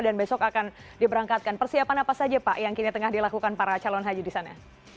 dan besok akan diberangkatkan persiapan apa saja pak yang kini tengah dilakukan para calon haji di sana